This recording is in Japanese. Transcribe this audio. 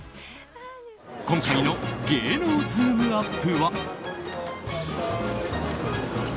今回の芸能ズームＵＰ！は。